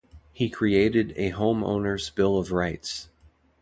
He created a Home Owners Bill of Rights.